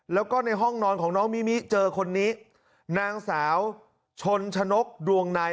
แล้วก็ในห้องนอนของน้องมิมิเจอคนนี้นางสาวชนชนกดวงใน